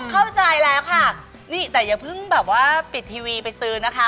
เข้าใจแล้วค่ะนี่แต่อย่าเพิ่งแบบว่าปิดทีวีไปซื้อนะคะ